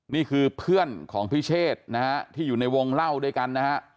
นี่คือเพื่อนของพิเชษนะฮะที่อยู่ในวงเล่าด้วยกันนะฮะ